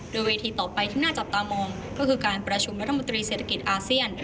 โดยเวทีต่อไปที่น่าจับตามองก็คือการประชุมรัฐมนตรีเศรษฐกิจอาเซียน